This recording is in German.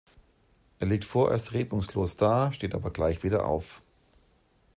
Er liegt vorerst regungslos da, steht aber gleich wieder auf.